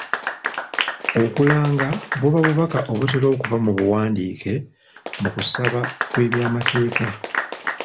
Okulanga buba bubaka obutera okuba mu buwandiike mu kusaba kw'ebyamateeka.